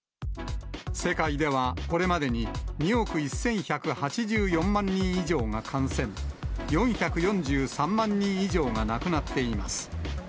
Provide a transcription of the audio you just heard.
世界では、これまでに２億１１８４万人以上が感染、４４３万人以上が亡くなっています。